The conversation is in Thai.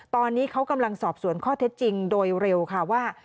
ตอนนี้เขากำลังสอบสวนข้อเท็จจริงโดยเร็วค่ะว่า